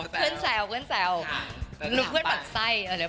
เพื่อนแซว